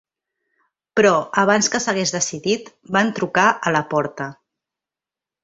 Però, abans que s'hagués decidit, van trucar a la porta.